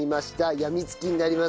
病み付きになります。